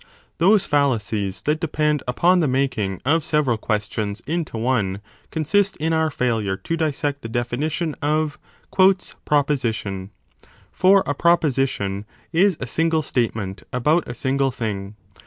5 Those fallacies that depend upon the making of several questions into one consist in our failure to dissect the defi nition of proposition . For a proposition is a single state ment about a single thing.